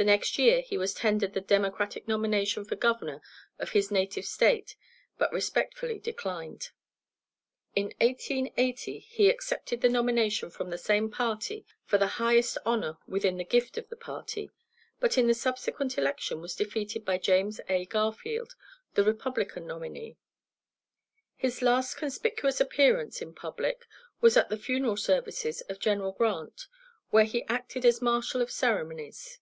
The next year he was tendered the Democratic nomination for Governor of his native State, but respectfully declined. In 1880 he accepted the nomination from the same party for the highest honor within the gift of the party, but in the subsequent election was defeated by James A. Garfield, the Republican nominee. His last conspicuous appearance in public was at the funeral services of General Grant, where he acted as marshal of ceremonies.